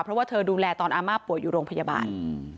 เพราะว่าเธอดูแลตอนอาม่าป่วยอยู่โรงพยาบาล